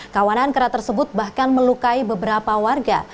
kawanan kera tersebut bahkan melukai beberapa warga